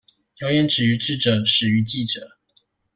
謠言止於智者，始於記者